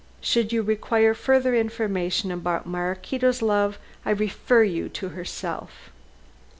Should you require further information about Maraquito's love, I refer you to herself."